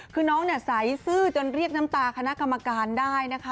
คือน้องใสซื่อจนเรียกน้ำตาคณะกรรมการได้นะคะ